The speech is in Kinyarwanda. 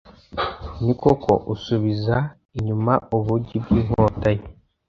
ni koko usubiza inyuma ubugi bw inkota ye